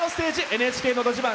「ＮＨＫのど自慢」。